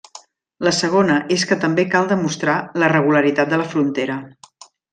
La segona és que també cal demostrar la regularitat de la frontera.